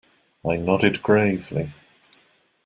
I nodded gravely.